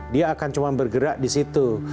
dia akan cuma bergerak di situ